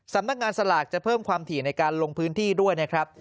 สำนักงานสลากจะเพิ่มความถี่ในการลงพื้นที่ด้วยนะครับ